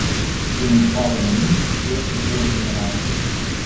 Din izvoarele mici ies râurile mari.